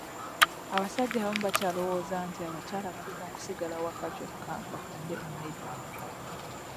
Abasajja abamu bakyalowooza nti abakyala balina kusigala waka kyokka bafumbe emmere.